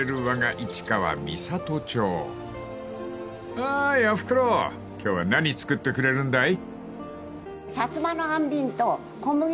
［おーいおふくろ今日は何作ってくれるんだい？］